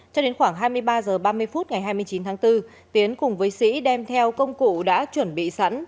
cho đến khoảng hai mươi ba h ba mươi phút ngày hai mươi chín tháng bốn tiến cùng với sĩ đem theo công cụ đã chuẩn bị sẵn